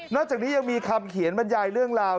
จากนี้ยังมีคำเขียนบรรยายเรื่องราว